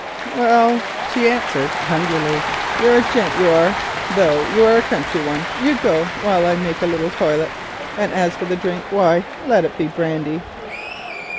"Well," she answered hungrily, "you're a gent, you are, though you're a country one. You go, while I just make a little toilette, and as for the drink, why let it be brandy."